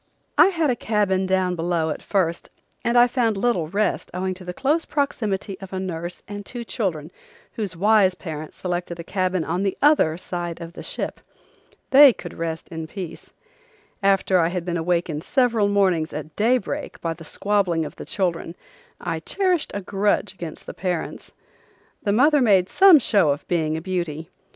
I had a cabin down below at first and I found little rest owing to the close proximity of a nurse and two children whose wise parents selected a cabin on the other side of the ship. They could rest in peace. After I had been awakened several mornings at daybreak by the squabbling of the children I cherished a grudge against the parents. The mother made some show of being a beauty.